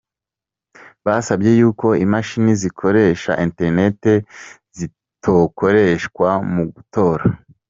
Basaba yuko imashini zikoresha 'internet' zitokoreshwa mu gutora.